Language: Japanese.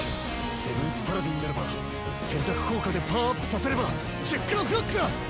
セブンス・パラディンならば選択効果でパワーアップさせればチェッカーフラッグだ！